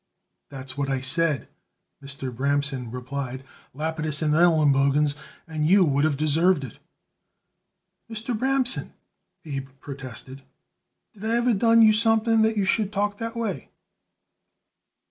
"That's what I said," Mr. Bramson replied, "Lapidus & Elenbogen's; and you would of deserved it." "Mr. Bramson," Abe protested, "did I ever done you something that you should talk that way?"